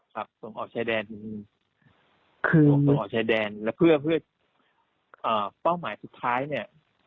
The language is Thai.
ส่งออกชายแดนออกชายแดนแล้วเพื่อเพื่อเป้าหมายสุดท้ายเนี่ย